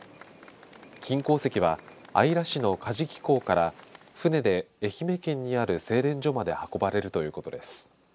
金鉱石は、姶良市の加治木港から船で愛媛県にある精錬所まで運ばれるということです。